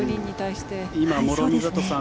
諸見里さん